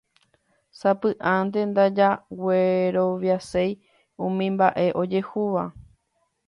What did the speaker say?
Sapy'ánte ndajagueroviaséi umi mba'e ojehúva